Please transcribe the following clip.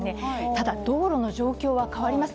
ただ、道路の状況は変わります。